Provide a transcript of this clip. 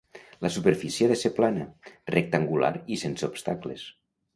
La superfície ha de ser plana, rectangular i sense obstacles.